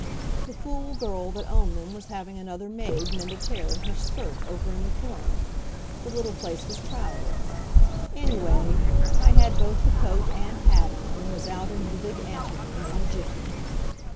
The fool girl that owned them was having another maid mend a tear in her skirt, over in the corner; the little place was crowded. Anyway, I had both the coat and hat on and was out into the big anteroom in a jiffy.